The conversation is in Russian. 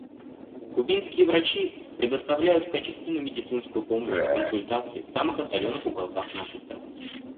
Кубинские врачи предоставляют качественную медицинскую помощь и консультации в самых отдаленных уголках нашей страны.